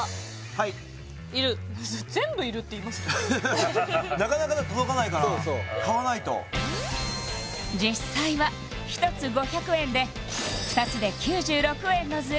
はいいる全部いるって言いますねなかなか届かないから買わないと実際は１つ５００円で２つで９６円のズレ